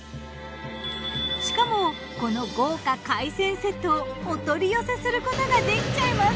しかもこの豪華海鮮セットをお取り寄せすることができちゃいます！